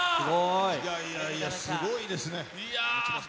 いやいやいや、すごいですね。